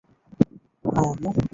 High, আম্মু।